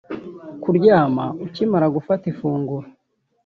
Kuryama ukimara gufata ifunguro